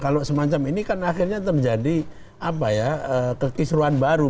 kalau semacam ini kan akhirnya terjadi kekisruan baru